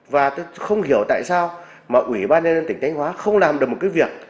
và tôi không hiểu tại sao mà ủy ban nhân dân tỉnh thanh hóa không làm được một cái việc